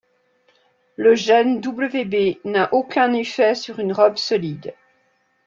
Le gène Wb n’a aucun effet sur une robe solide.